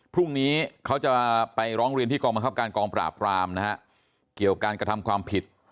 พรุ่งนี้เขาจะไปร้องเรียนที่กองบังคับการกองปราบรามนะฮะเกี่ยวการกระทำความผิด